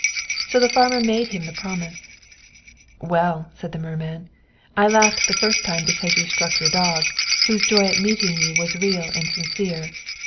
So the farmer made him the promise. "Well," said the merman, "I laughed the first time because you struck your dog, whose joy at meeting you was real and sincere.